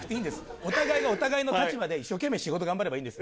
お互いがお互いの立場で、一生懸命、仕事頑張ればいいんです。